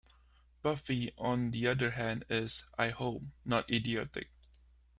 Buffy, on the other hand is, I hope, not idiotic.